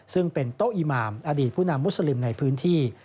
ซึ่งเป็นโต๊ะอีมามอดีตผู้นำมุสลิมในพื้นที่